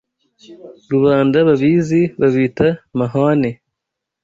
Rubanda babizi Babita mahwane